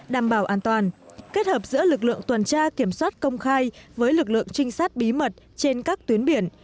đảm bảo an toàn kết hợp giữa lực lượng tuần tra kiểm soát công khai với lực lượng trinh sát bí mật trên các tuyến biển